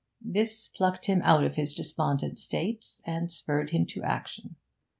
This plucked him out of his despondent state, and spurred him to action.